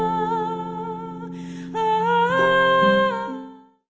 อ๋อมันก็แทบจะไม่ได้รับเหมือนเดียว